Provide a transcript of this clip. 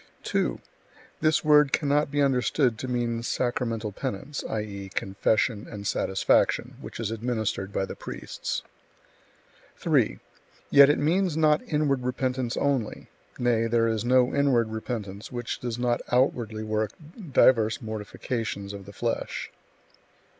2. This word cannot be understood to mean sacramental penance, i.e., confession and satisfaction, which is administered by the priests. 3. Yet it means not inward repentance only; nay, there is no inward repentance which does not outwardly work divers mortifications of the flesh.